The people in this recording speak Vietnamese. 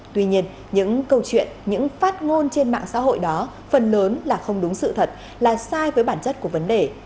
tuy nhiên những câu chuyện những phát ngôn trên mạng xã hội đó phần lớn là không đúng sự thật là sai với bản chất của vấn đề